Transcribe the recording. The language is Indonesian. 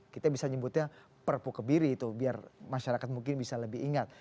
kita bisa nyebutnya perpu kebiri itu biar masyarakat mungkin bisa lebih ingat